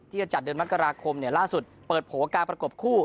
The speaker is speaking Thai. จะจัดเดือนมกราคมล่าสุดเปิดโผล่การประกบคู่